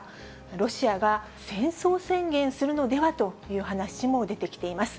ロシアが戦争宣言するのではという話も出てきています。